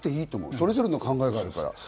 それぞれの考えがあるから。